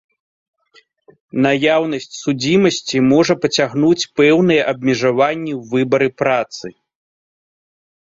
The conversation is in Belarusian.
Наяўнасць судзімасці можа пацягнуць пэўныя абмежаванні ў выбары працы.